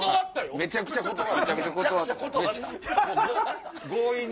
めちゃくちゃ断ったんや。